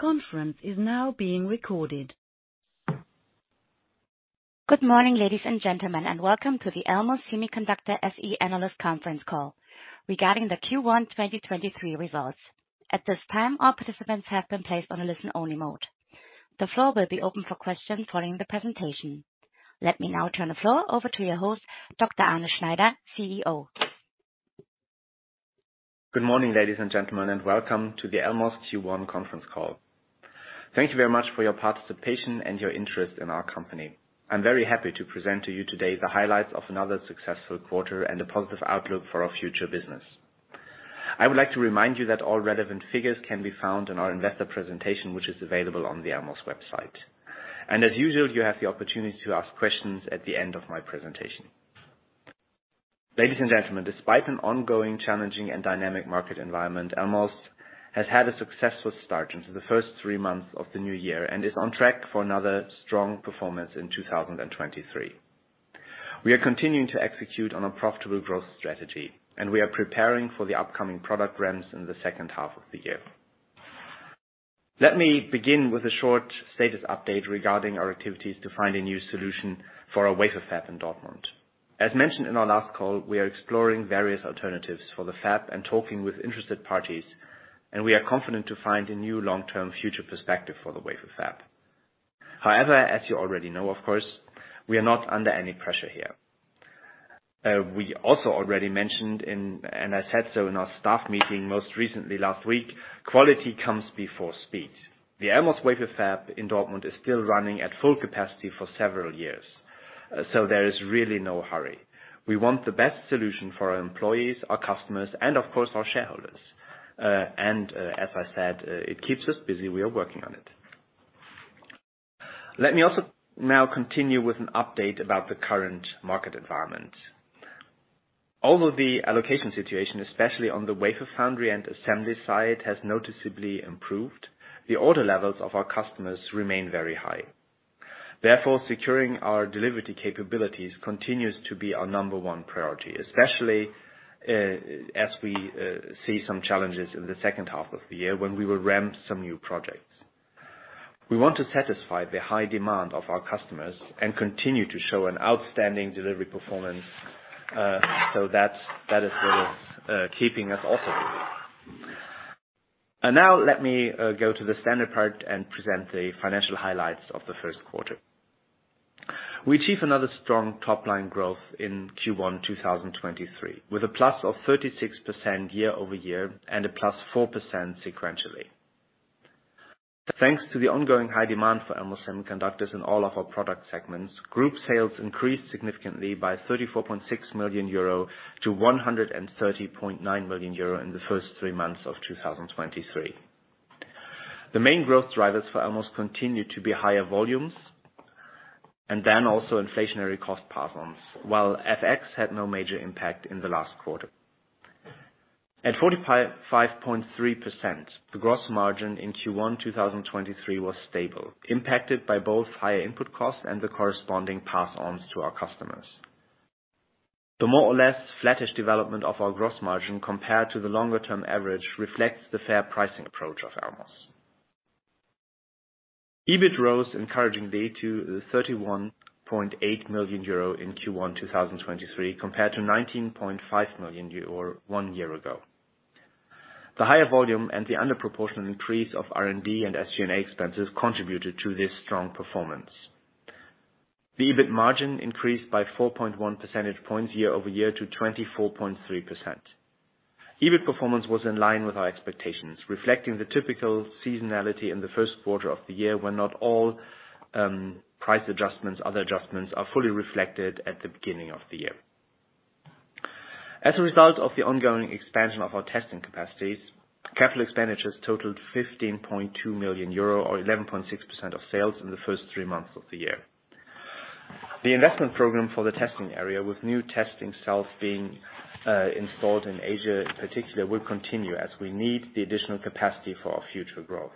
Good morning, ladies and gentlemen, welcome to the Elmos Semiconductor SE Analyst Conference Call regarding the Q1 2023 results. At this time, all participants have been placed on a listen-only mode. The floor will be open for questions following the presentation. Let me now turn the floor over to your host, Dr. Arne Schneider, CEO. Good morning, ladies and gentlemen, welcome to the Elmos Q1 conference call. Thank you very much for your participation and your interest in our company. I'm very happy to present to you today the highlights of another successful quarter and a positive outlook for our future business. I would like to remind you that all relevant figures can be found in our investor presentation, which is available on the Elmos website. As usual, you have the opportunity to ask questions at the end of my presentation. Ladies and gentlemen, despite an ongoing challenging and dynamic market environment, Elmos has had a successful start into the first three months of the new year and is on track for another strong performance in 2023. We are continuing to execute on a profitable growth strategy. We are preparing for the upcoming product ramps in the second half of the year. Let me begin with a short status update regarding our activities to find a new solution for our wafer fab in Dortmund. As mentioned in our last call, we are exploring various alternatives for the fab and talking with interested parties. We are confident to find a new long-term future perspective for the wafer fab. As you already know, of course, we are not under any pressure here. We also already mentioned in, and I said so in our staff meeting most recently last week, quality comes before speed. The Elmos wafer fab in Dortmund is still running at full capacity for several years. There is really no hurry. We want the best solution for our employees, our customers, and of course, our shareholders. As I said, it keeps us busy. We are working on it. Let me also now continue with an update about the current market environment. Although the allocation situation, especially on the wafer foundry and assembly side, has noticeably improved, the order levels of our customers remain very high. Therefore, securing our delivery capabilities continues to be our number one priority, especially as we see some challenges in the second half of the year when we will ramp some new projects. We want to satisfy the high demand of our customers and continue to show an outstanding delivery performance. That is what is keeping us also busy. Now let me go to the standard part and present the financial highlights of the first quarter. We achieved another strong top-line growth in Q1 2023, with a plus of 36% year-over-year and a plus 4% sequentially. Thanks to the ongoing high demand for Elmos semiconductors in all of our product segments, group sales increased significantly by 34.6 million-130.9 million euro in the first three months of 2023. The main growth drivers for Elmos continue to be higher volumes and then also inflationary cost pass-ons, while FX had no major impact in the last quarter. At 45.3%, the gross margin in Q1 2023 was stable, impacted by both higher input costs and the corresponding pass-ons to our customers. The more or less flattish development of our gross margin compared to the longer-term average reflects the fair pricing approach of Elmos. EBIT rose encouragingly to 31.8 million euro in Q1 2023, compared to 19.5 million euro one year ago. The higher volume and the under-proportional increase of R&D and SG&A expenses contributed to this strong performance. The EBIT margin increased by 4.1 percentage points year-over-year to 24.3%. EBIT performance was in line with our expectations, reflecting the typical seasonality in the first quarter of the year, when not all price adjustments, other adjustments are fully reflected at the beginning of the year. As a result of the ongoing expansion of our testing capacities, CapEx totaled 15.2 million euro or 11.6% of sales in the first three months of the year. The investment program for the testing area, with new testing cells being installed in Asia in particular, will continue as we need the additional capacity for our future growth.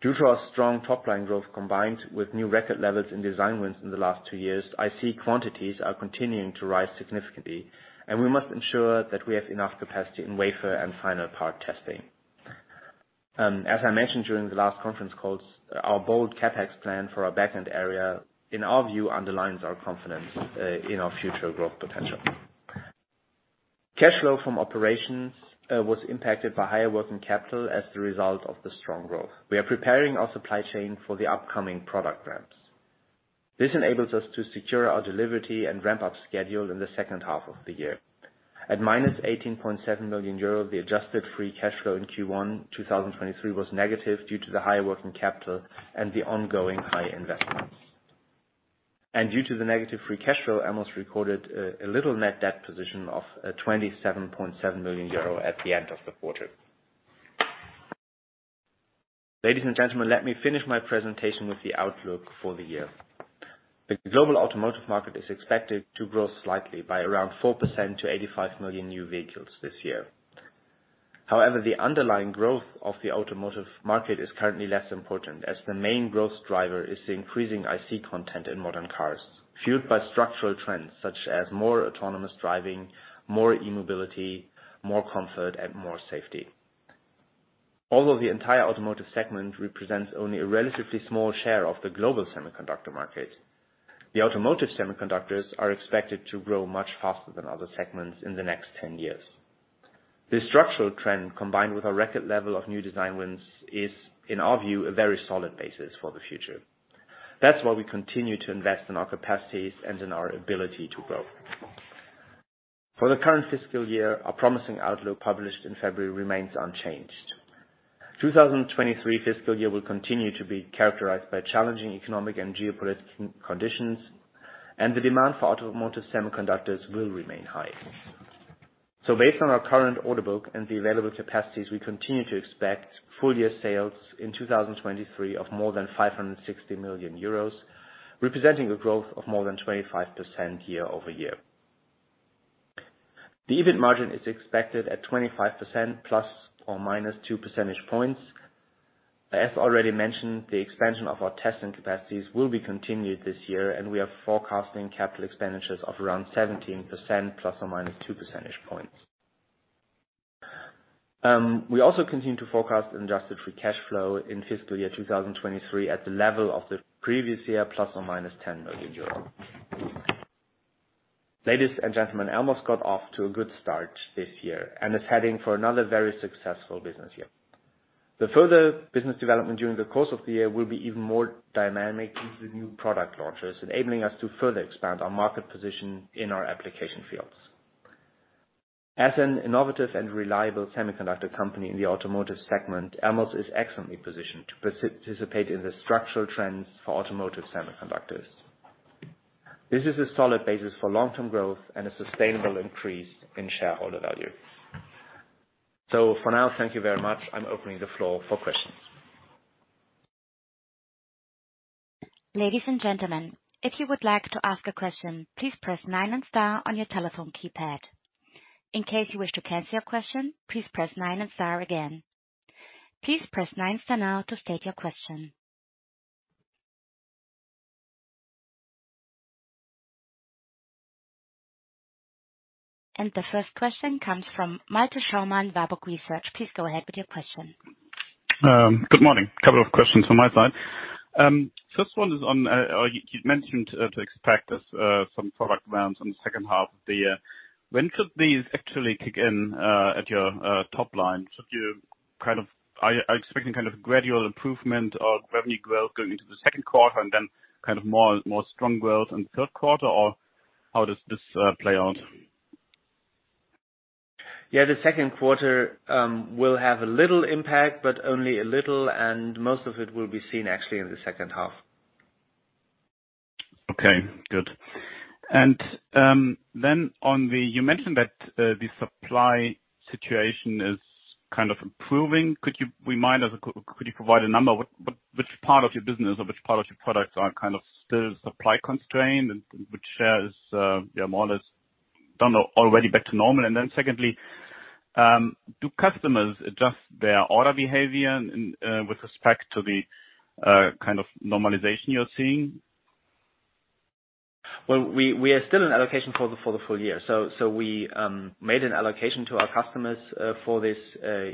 Due to our strong top-line growth combined with new record levels in design wins in the last two years, IC quantities are continuing to rise significantly, and we must ensure that we have enough capacity in wafer and final part testing. As I mentioned during the last conference calls, our bold CapEx plan for our back-end area, in our view, underlines our confidence in our future growth potential. Cash flow from operations was impacted by higher working capital as the result of the strong growth. We are preparing our supply chain for the upcoming product ramps. This enables us to secure our delivery and ramp up schedule in the second half of the year. At -18.7 million euro, the adjusted free cash flow in Q1 2023 was negative due to the higher working capital and the ongoing high investments. Due to the negative free cash flow, Elmos recorded a little net debt position of 27.7 million euro at the end of the quarter. Ladies and gentlemen, let me finish my presentation with the outlook for the year. The global automotive market is expected to grow slightly by around 4% to 85 million new vehicles this year. However, the underlying growth of the automotive market is currently less important, as the main growth driver is the increasing IC content in modern cars, fueled by structural trends such as more autonomous driving, more e-mobility, more comfort, and more safety. Although the entire automotive segment represents only a relatively small share of the global semiconductor market. The automotive semiconductors are expected to grow much faster than other segments in the next 10 years. This structural trend, combined with our record level of new design wins, is, in our view, a very solid basis for the future. We continue to invest in our capacities and in our ability to grow. For the current fiscal year, our promising outlook, published in February, remains unchanged. 2023 fiscal year will continue to be characterized by challenging economic and geopolitical conditions. The demand for automotive semiconductors will remain high. Based on our current order book and the available capacities, we continue to expect full year sales in 2023 of more than 560 million euros, representing a growth of more than 25% year-over-year. The EBIT margin is expected at 25%, ±2 percentage points. As already mentioned, the expansion of our testing capacities will be continued this year, and we are forecasting capital expenditures of around 17%, ±2 percentage points. We also continue to forecast adjusted free cash flow in fiscal year 2023 at the level of the previous year, ±10 million euros. Ladies and gentlemen, Elmos got off to a good start this year and is heading for another very successful business year. The further business development during the course of the year will be even more dynamic with the new product launches, enabling us to further expand our market position in our application fields. As an innovative and reliable semiconductor company in the automotive segment, Elmos is excellently positioned to participate in the structural trends for automotive semiconductors. This is a solid basis for long-term growth and a sustainable increase in shareholder value. For now, thank you very much. I'm opening the floor for questions. Ladies and gentlemen, if you would like to ask a question, please press nine and star on your telephone keypad. In case you wish to cancel your question, please press nine and star again. Please press nine, star now to state your question. The first question comes from Malte Schaumann, Warburg Research. Please go ahead with your question. Good morning. A couple of questions on my side. First one is on, you mentioned to expect us some product rounds on the second half of the year. When should these actually kick in at your top line? Are you expecting kind of gradual improvement of revenue growth going into the second quarter and then kind of more strong growth in the third quarter? How does this play out? The second quarter will have a little impact, but only a little, and most of it will be seen actually in the second half. Okay, good. Then you mentioned that the supply situation is kind of improving. Could you remind us, could you provide a number, which part of your business or which part of your products are kind of still supply constrained and which shares, yeah, more or less done or already back to normal? Secondly, do customers adjust their order behavior with respect to the kind of normalization you're seeing? We are still in allocation for the full year. We made an allocation to our customers for this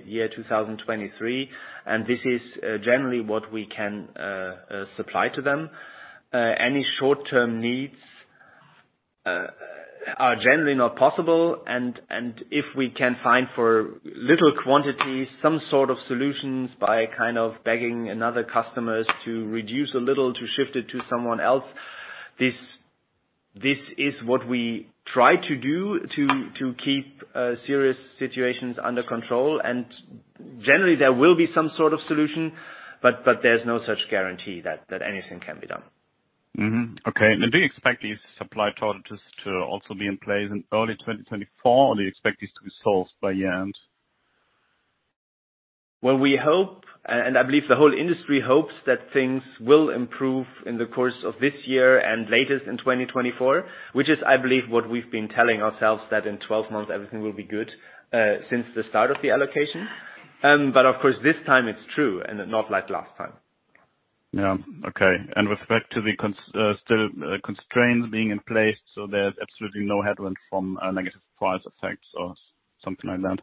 year 2023, this is generally what we can supply to them. Any short-term needs are generally not possible. If we can find for little quantities some sort of solutions by kind of begging another customers to reduce a little, to shift it to someone else, this is what we try to do to keep serious situations under control. Generally, there will be some sort of solution, but there's no such guarantee that anything can be done. Okay. Do you expect these supply shortages to also be in place in early 2024, or do you expect these to be solved by year-end? Well, we hope, and I believe the whole industry hopes, that things will improve in the course of this year and latest in 2024, which is, I believe, what we've been telling ourselves that in 12 months everything will be good, since the start of the allocation. Of course, this time it's true and not like last time. Yeah. Okay. With respect to the cons, still constraints being in place, there's absolutely no headwinds from a negative price effects or something like that?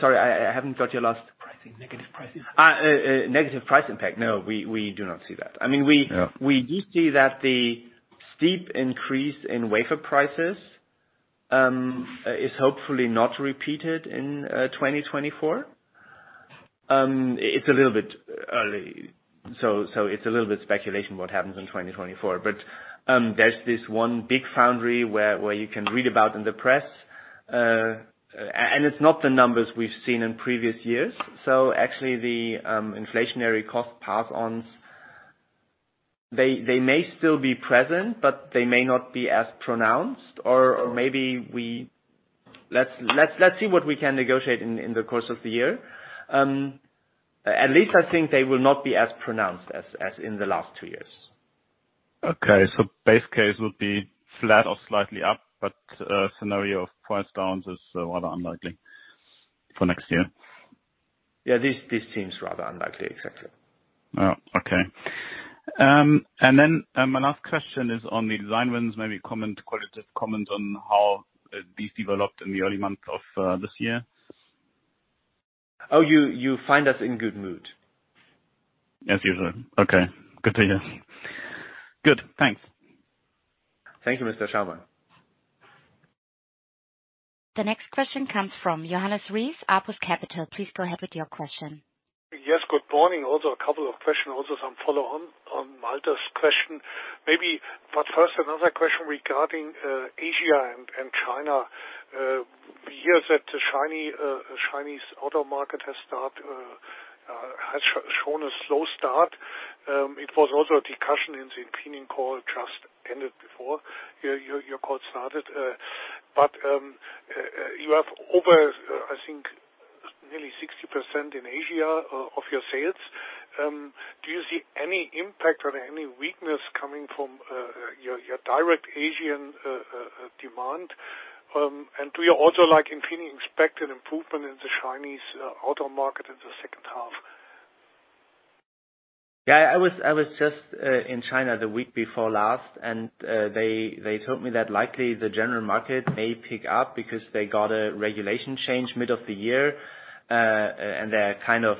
sorry, I haven't got your last-. Pricing. Negative pricing. Negative price impact. No, we do not see that. I mean. Yeah. We do see that the steep increase in wafer prices is hopefully not repeated in 2024. It's a little bit early, so it's a little bit speculation what happens in 2024. There's this one big foundry where you can read about in the press, and it's not the numbers we've seen in previous years. Actually, the inflationary cost pass on, they may still be present, but they may not be as pronounced. Let's see what we can negotiate in the course of the year. At least I think they will not be as pronounced as in the last two years. Okay. base case would be flat or slightly up, but a scenario of price downs is rather unlikely for next year? Yeah, this seems rather unlikely. Exactly. Oh, okay. My last question is on the design wins, maybe comment, qualitative comment on how these developed in the early months of this year. Oh, you find us in good mood. As usual. Okay. Good to hear. Good. Thanks. Thank you, Mr. Schaumann. The next question comes from Johannes Ries, Apus Capital. Please go ahead with your question. Yes, good morning. A couple of questions, also some follow-on on Malte Schaumann's question maybe. First, another question regarding Asia and China. We hear that the Chinese auto market has shown a slow start. It was also a discussion in the Infineon call just ended before your call started. You have over, I think nearly 60% in Asia of your sales. Do you see any impact or any weakness coming from your direct Asian demand? Do you also like Infineon expect an improvement in the Chinese auto market in the second half? Yeah, I was, I was just in China the week before last. They told me that likely the general market may pick up because they got a regulation change mid of the year. They're kind of,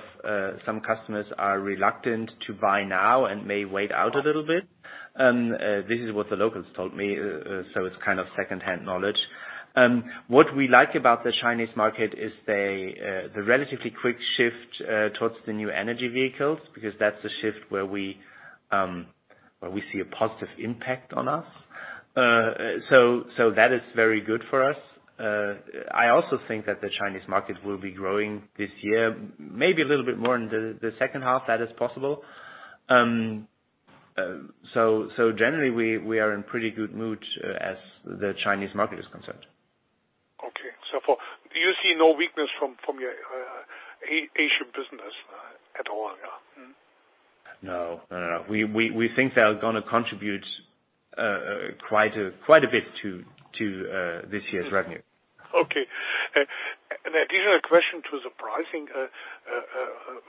some customers are reluctant to buy now and may wait out a little bit. This is what the locals told me, so it's kind of secondhand knowledge. What we like about the Chinese market is they the relatively quick shift towards the New Energy Vehicle, because that's the shift where we where we see a positive impact on us. That is very good for us. I also think that the Chinese market will be growing this year, maybe a little bit more in the second half. That is possible. Generally we are in pretty good mood as the Chinese market is concerned. Okay. Do you see no weakness from your Asia business, at all, yeah? Mm-hmm. No, no, no. We think they are gonna contribute quite a bit to this year's revenue. Okay. Additional question to the pricing.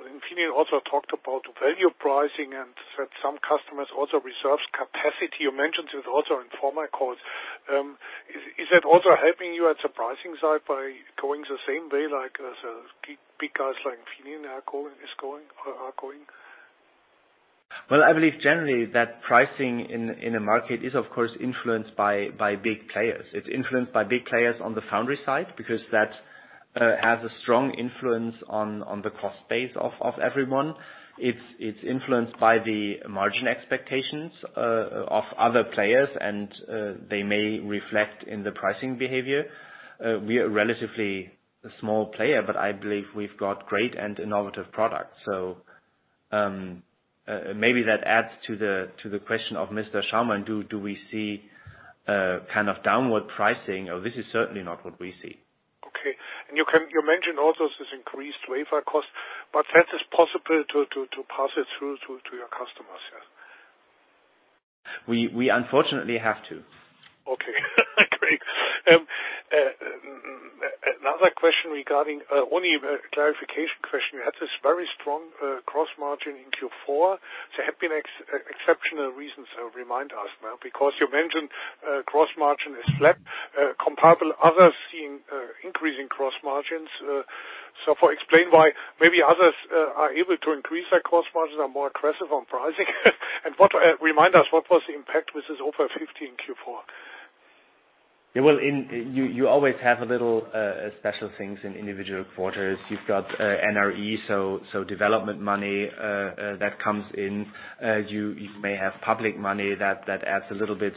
Infineon also talked about value pricing and that some customers also reserves capacity. You mentioned it also in former calls. Is that also helping you at the pricing side by going the same way like as big guys like Infineon are going? I believe generally that pricing in a market is of course influenced by big players. It's influenced by big players on the foundry side because that has a strong influence on the cost base of everyone. It's influenced by the margin expectations of other players and they may reflect in the pricing behavior. We are a relatively small player, but I believe we've got great and innovative products. Maybe that adds to the question of Mr. Schaumann. Do we see kind of downward pricing? Oh, this is certainly not what we see. Okay. You mentioned also this increased wafer cost, that is possible to pass it through to your customers, yeah? We unfortunately have to. Okay. Great. Another question regarding only a clarification question. You had this very strong gross margin in Q4. There have been exceptional reasons. Remind us now, because you mentioned gross margin is flat, comparable others seeing increasing gross margins. For explain why maybe others are able to increase their gross margins are more aggressive on pricing. What remind us, what was the impact with this over 50 in Q4? Yeah, well, you always have a little special things in individual quarters. You've got NRE, so development money that comes in. You may have public money that adds a little bit.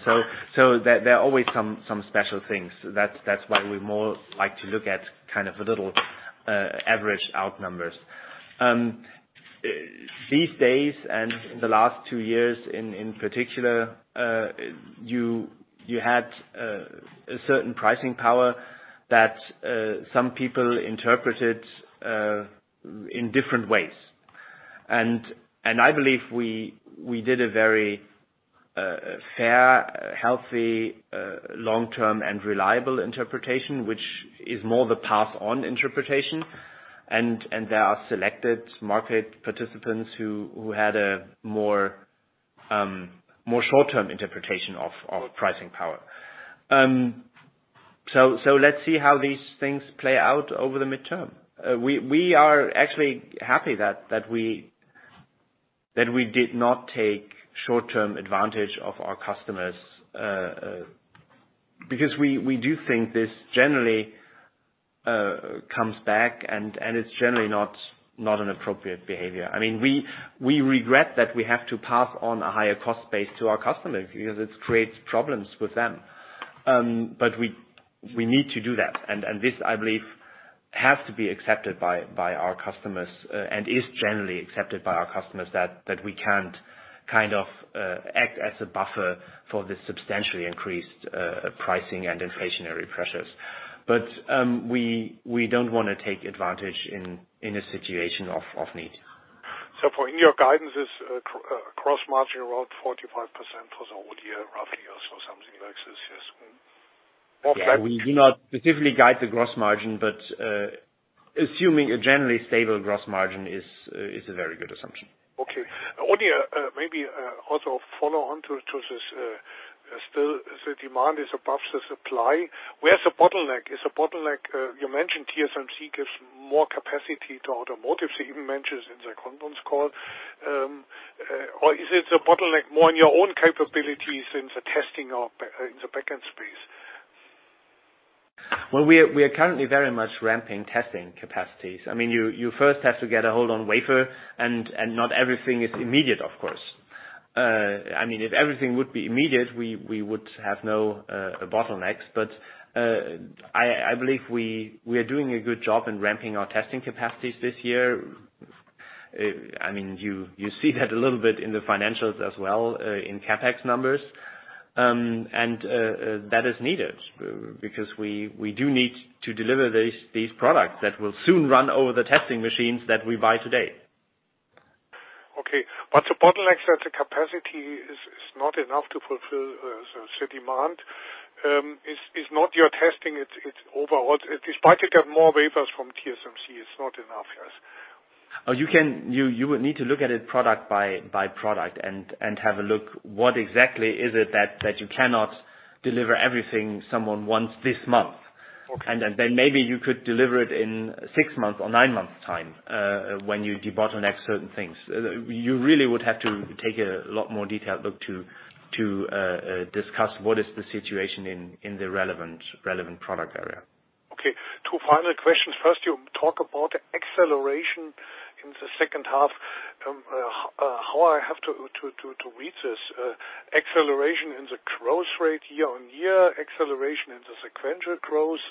There are always some special things. That's why we more like to look at kind of a little average out numbers. These days, in the last two years in particular, you had a certain pricing power that some people interpreted in different ways. I believe we did a very fair, healthy, long-term, and reliable interpretation, which is more the pass on interpretation. There are selected market participants who had a more short-term interpretation of pricing power. Let's see how these things play out over the midterm. We are actually happy that we did not take short-term advantage of our customers, because we do think this generally comes back and it's generally not an appropriate behavior. I mean, we regret that we have to pass on a higher cost base to our customers because it creates problems with them. We need to do that. This, I believe, has to be accepted by our customers, and is generally accepted by our customers that we can't kind of act as a buffer for the substantially increased pricing and inflationary pressures. We don't wanna take advantage in a situation of need. For in your guidance is, gross margin around 45% for the whole year, roughly also something like this, yes? Mm-hmm. Yeah, we do not specifically guide the gross margin, assuming a generally stable gross margin is a very good assumption. Okay. Only maybe also follow on to this, still the demand is above the supply. Where is the bottleneck? Is the bottleneck, you mentioned TSMC gives more capacity to automotive, so you mentioned in the conference call. Is it the bottleneck more on your own capabilities in the testing of, in the back-end space? Well, we are currently very much ramping testing capacities. I mean, you first have to get a hold on wafer and not everything is immediate, of course. I mean, if everything would be immediate, we would have no bottlenecks. I believe we are doing a good job in ramping our testing capacities this year. I mean, you see that a little bit in the financials as well, in CapEx numbers. That is needed because we do need to deliver these products that will soon run over the testing machines that we buy today. Okay. The bottlenecks at the capacity is not enough to fulfill the demand. Is not your testing, it's overall. Despite you get more wafers from TSMC, it's not enough, yes. You would need to look at it product by product and have a look what exactly is it that you cannot deliver everything someone wants this month. Okay. Then maybe you could deliver it in six months or nine months time, when you debottleneck certain things. You really would have to take a lot more detailed look to discuss what is the situation in the relevant product area. Okay. Two final questions. First, you talk about acceleration in the second half. how I have to read this acceleration in the growth rate year on year, acceleration in the sequential growth.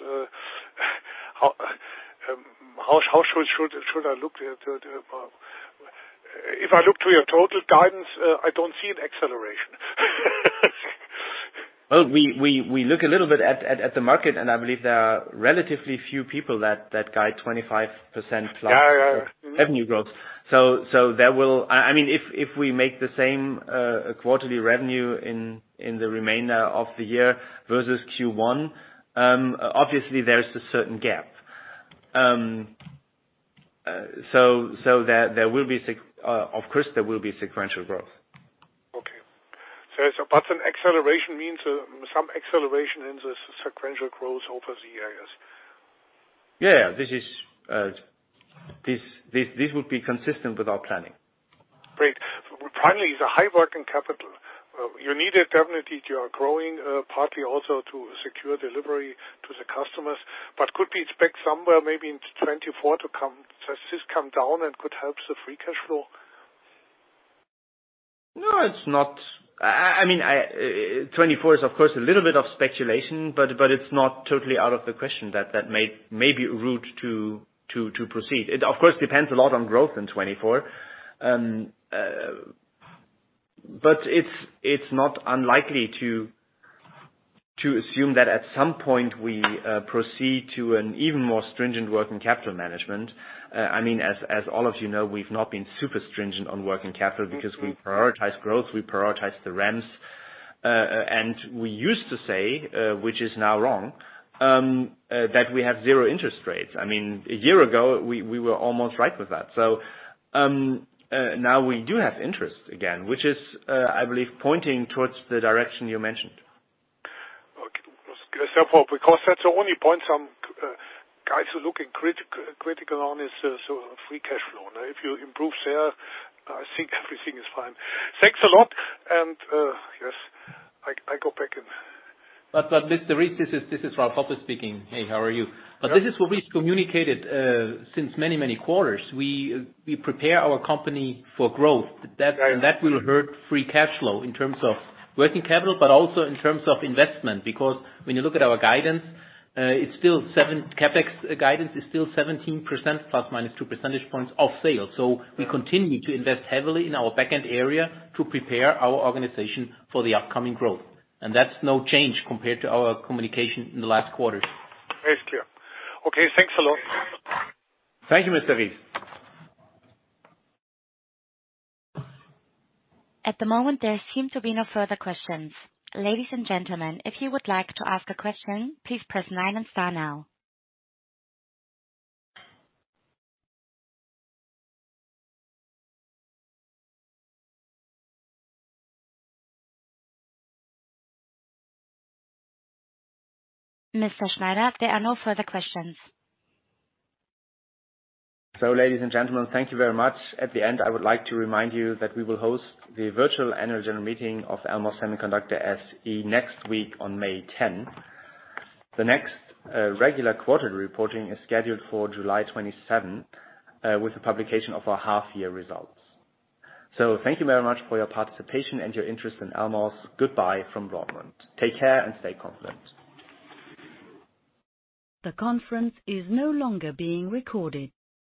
how should I look at. If I look to your total guidance, I don't see an acceleration. We look a little bit at the market, and I believe there are relatively few people that guide 25%+. Yeah, yeah. -revenue growth. I mean, if we make the same quarterly revenue in the remainder of the year versus Q1, obviously there's a certain gap. Of course, there will be sequential growth. Okay. An acceleration means some acceleration in the sequential growth over the years? Yeah. This would be consistent with our planning. Great. Finally, the high working capital. You need it definitely you are growing, partly also to secure delivery to the customers. Could we expect somewhere maybe in 2024 to come, does this come down and could help the adjusted free cash flow? No, it's not... I mean, I 2024 is of course a little bit of speculation, but it's not totally out of the question that may be a route to proceed. It, of course, depends a lot on growth in 2024. It's not unlikely to assume that at some point we proceed to an even more stringent working capital management. I mean, as all of you know, we've not been super stringent on working capital because we prioritize growth, we prioritize the rams. We used to say, which is now wrong, that we have zero interest rates. I mean, a year ago we were almost right with that. Now we do have interest again, which is, I believe, pointing towards the direction you mentioned. Okay. Therefore, because that's the only point some guys are looking critical on is free cash flow. Now, if you improve there, I think everything is fine. Thanks a lot. Yes, I go back in. Mr. Ries, this is Ralf Hopper speaking. Hey, how are you? Yeah. This is what we've communicated since many, many quarters. We prepare our company for growth. Right. That will hurt free cash flow in terms of working capital, but also in terms of investment. When you look at our guidance, CapEx guidance is still 17% ±2 percentage points of sales. We continue to invest heavily in our back-end area to prepare our organization for the upcoming growth. That's no change compared to our communication in the last quarters. Very clear. Okay, thanks a lot. Thank you, Mr. Ries. At the moment, there seem to be no further questions. Ladies and gentlemen, if you would like to ask a question, please press Star nine now. Mr. Schneider, there are no further questions. Ladies and gentlemen, thank you very much. At the end, I would like to remind you that we will host the virtual annual general meeting of the Elmos Semiconductor SE next week on May 10. The next regular quarter reporting is scheduled for July 27th with the publication of our half year results. Thank you very much for your participation and your interest in Elmos. Goodbye from Dortmund. Take care and stay confident. The conference is no longer being recorded.